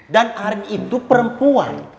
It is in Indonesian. dan arin itu perempuan